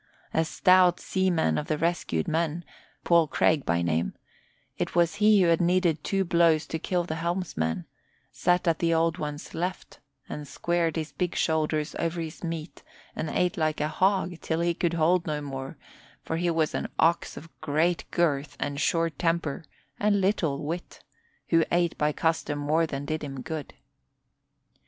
A stout seaman of the rescued men, Paul Craig by name it was he who had needed two blows to kill the helmsman sat at the Old One's left and squared his big shoulders over his meat and ate like a hog till he could hold no more, for he was an ox of great girth and short temper and little wit, who ate by custom more than did him good.